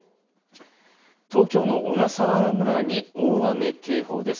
東京の小笠原村に大雨警報です。